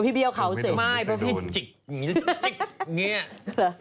พี่เบี้ยวเขาเสร็จ